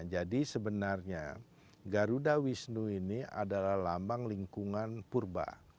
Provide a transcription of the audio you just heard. jadi sebenarnya garuda wisnu ini adalah lambang lingkungan purba